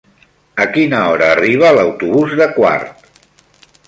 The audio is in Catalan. A quina hora arriba l'autobús de Quart?